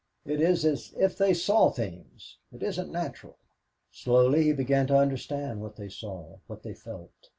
"It is as if they saw things. It isn't natural." Slowly he began to understand what they saw, what they felt.